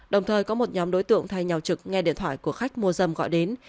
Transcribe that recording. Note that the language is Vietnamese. đồng thời có một nhóm đối tượng thay nhau trực nghe điện thoại của khách mua dâm gọi đến